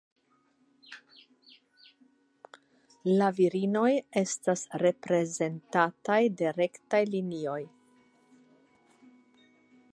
La virinoj estas representataj de rektaj linioj.